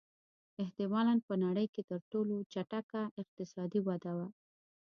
احتمالًا په نړۍ کې تر ټولو چټکه اقتصادي وده وه.